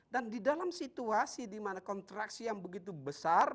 dan di dalam situasi dimana kontraksi yang begitu besar